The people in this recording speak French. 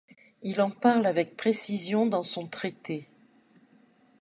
Il en parle avec précision dans son traité.